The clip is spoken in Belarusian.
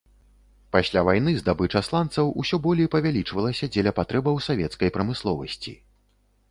Пасля вайны здабыча сланцаў усё болей павялічвалася дзеля патрэбаў савецкай прамысловасці.